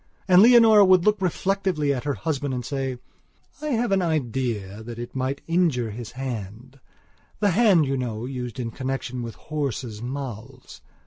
And Leonora would look reflectively at her husband and say: "I have an idea that it might injure his handthe hand, you know, used in connection with horses' mouths...."